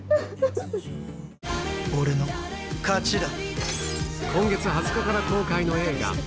俺の勝ちだ。